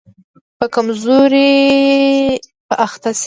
په کمزوري به اخته شي.